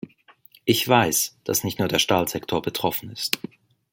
Ich weiß, dass nicht nur der Stahlsektor betroffen ist.